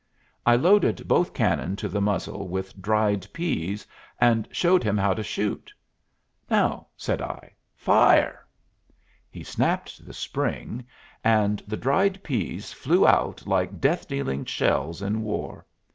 I loaded both cannon to the muzzle with dried pease, and showed him how to shoot. "Now," said I, "fire!" He snapped the spring, and the dried pease flew out like death dealing shells in war.